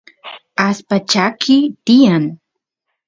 allpa chakiy tiyan